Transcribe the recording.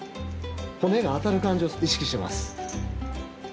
骨が当たる感じを意識してます。